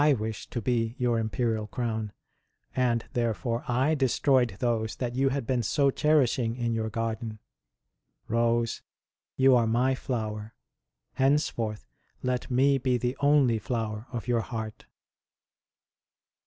wish to be your Imperial Crown, and therefore I destroyed those that you had been so cherishing in your garden. Rose, you are My flower ! Henceforth let Me be the only flower of your heart